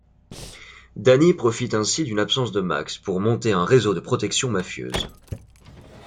Danny profite ainsi d'une absence de Max pour monter un réseau de protection mafieuse.